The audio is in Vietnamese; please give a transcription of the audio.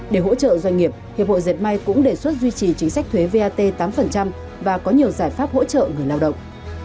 để hỗ trợ doanh nghiệp hiệp hội diệt may cũng đề xuất duy trì chính sách thuế vat tám và có nhiều giải pháp hỗ trợ người lao động